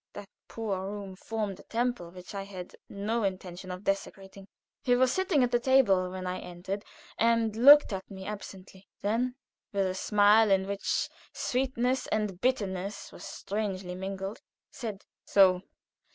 That poor room formed a temple which I had no intention of desecrating. He was sitting at the table when I entered, and looked at me absently. Then, with a smile in which sweetness and bitterness were strangely mingled, said: "So!